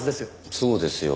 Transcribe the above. そうですよ。